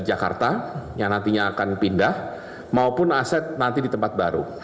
jakarta yang nantinya akan pindah maupun aset nanti di tempat baru